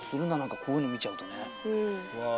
こういうの見ちゃうとね。